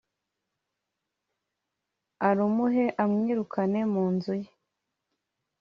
arumuhe, amwirukane mu nzu ye